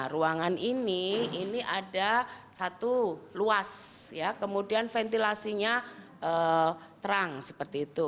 ruangan ini ini ada satu luas ya kemudian ventilasinya terang seperti itu